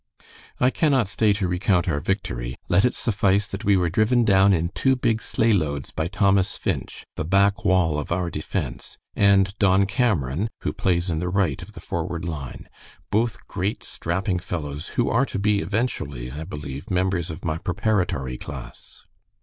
"I cannot stay to recount our victory. Let it suffice that we were driven down in two big sleigh loads by Thomas Finch, the back wall of our defense, and Don Cameron, who plays in the right of the forward line, both great, strapping fellows, who are to be eventually, I believe, members of my preparatory class.